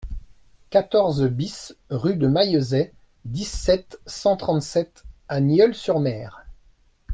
quatorze BIS rue de Maillezais, dix-sept, cent trente-sept à Nieul-sur-Mer